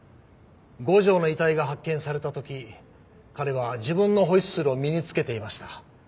五条の遺体が発見された時彼は自分のホイッスルを身につけていました。